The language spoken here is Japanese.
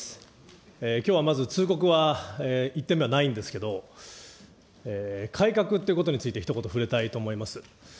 きょうはまず通告は１点目はないんですけれども、改革っていうことについてひと言、触れたいと思います。